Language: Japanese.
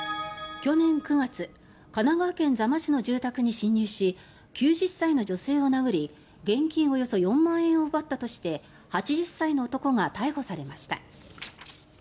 去年９月神奈川県座間市の住宅に侵入し９０歳の女性を殴り現金およそ４万円を奪ったとして８０歳の男が逮捕されました。